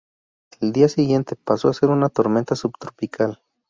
El día siguiente, pasó a ser una tormenta subtropical.